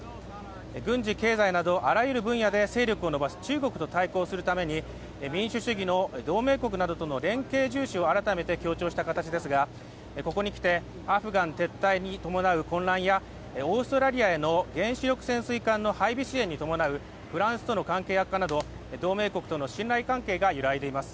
軍事・経済など、あらゆる分野で精力を伸ばす中国と対抗するために民主主義の同盟国などとの連携重視を改めて強調した形ですがここに来てアフガン撤退に伴う混乱やオーストラリアへの原子力潜水艦の配備支援に伴うフランスとの関係悪化など同盟国との信頼関係が揺らいでいます。